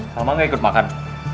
salma gak ikut makan